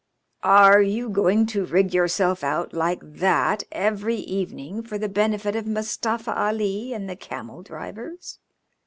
"Are you going to rig yourself out like that every evening for the benefit of Mustafa Ali and the camel drivers?"